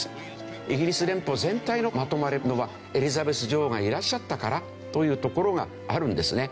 イギリス連邦全体のまとまれるのはエリザベス女王がいらっしゃったからというところがあるんですね。